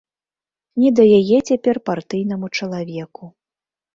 Ні да яе цяпер партыйнаму чалавеку.